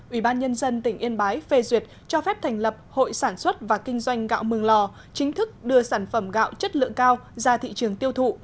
ủy ban nhân dân tỉnh yên bái phê duyệt cho phép thành lập hội sản xuất và kinh doanh gạo mường lò chính thức đưa sản phẩm gạo chất lượng cao ra thị trường tiêu thụ